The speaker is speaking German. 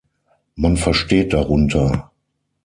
Man versteht darunter